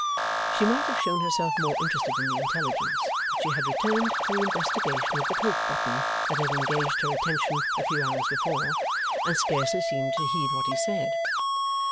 She might have shown herself more interested in the intelligence; but she had returned to the investigation of the coat button that had engaged her attention a few hours before, and scarcely seemed to heed what he said.